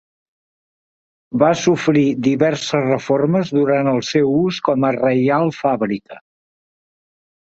Va sofrir diverses reformes durant el seu ús com a Reial Fàbrica.